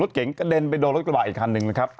เก๋งกระเด็นไปโดนรถกระบาดอีกคันหนึ่งนะครับ